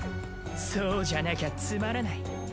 そうじゃなきゃつまらない。